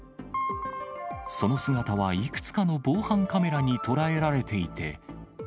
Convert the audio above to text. その姿はいくつかの防犯カメラに捉えられていて。